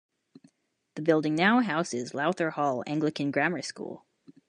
The building now houses Lowther Hall Anglican Grammar School.